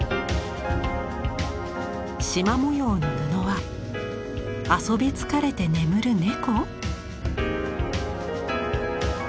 しま模様の布は遊び疲れて眠る猫？